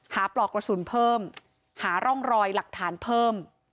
ปลอกกระสุนเพิ่มหาร่องรอยหลักฐานเพิ่ม